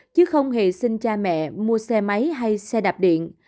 chứ không hề xin cha mẹ mua xe máy hay xe đạp điện